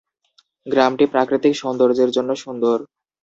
গ্রামটি প্রাকৃতিক সৌন্দর্যের জন্য সুন্দর।